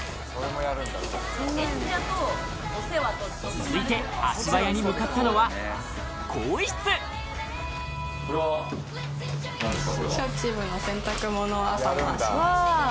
続いて足早に向かったのは更衣室これは何ですか？